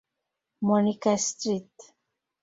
Monica, St.